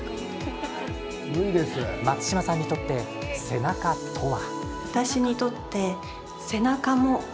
松島さんにとって背中とは。